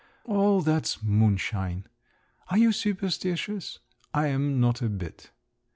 "All that's moonshine! Are you superstitious? I'm not a bit.